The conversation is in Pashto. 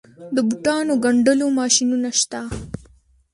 د بوټانو ګنډلو ماشینونه شته